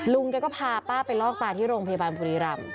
ลุงแกก็พาป้าไปลอกตาที่โรงพยาบาลบุรีรำ